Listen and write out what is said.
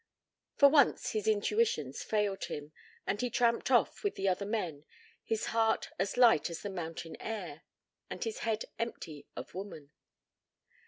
For once his intuitions failed him, and he tramped off with the other men, his heart as light as the mountain air, and his head empty of woman.